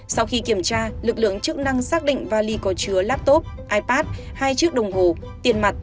sau khi kiểm tra lực lượng chức năng xác định vali có chứa laptop ipad hai chiếc đồng hồ tiền mặt